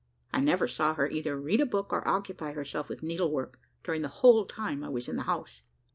I never saw her either read a book or occupy herself with needlework, during the whole time I was in the house.